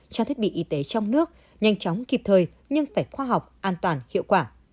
trang thiết bị y tế trong nước nhanh chóng kịp thời nhưng phải khoa học an toàn hiệu quả